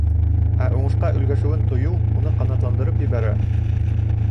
Ә уңышҡа өлгәшеүен тойоу уны ҡанатландырып ебәрә.